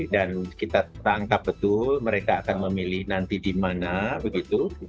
dan kita tangkap betul mereka akan memilih nanti di mana begitu